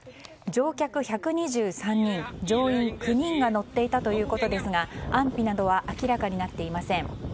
乗客１２３人、乗員９人が乗っていたということですが安否などは明らかになっていません。